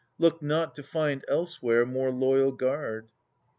Look not to find elsewhere more loyal guard.